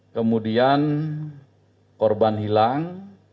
kemudian korban hilang